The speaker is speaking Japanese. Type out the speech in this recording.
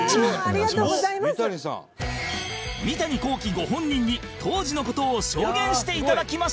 ご本人に当時の事を証言して頂きました